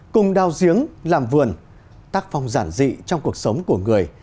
cùng đào giếng làm vườn tác phong giản dị trong cuộc sống của người